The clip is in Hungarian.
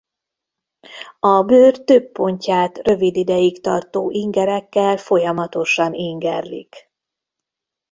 A bőr több pontját rövid ideig tartó ingerekkel folyamatosan ingerlik.